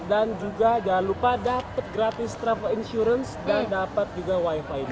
dan juga jangan lupa dapat gratis travel insurance dan dapat juga wifi